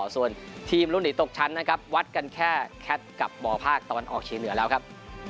ส่วนทีมลุ้นหลีตกชั้นวัดกันแค่แคบกับบภาคตอนออกชีวิตเหนือแล้วครับ